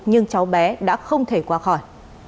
nhưng cháu bé đã không thể qua khỏi